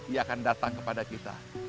ia akan datang kepada kita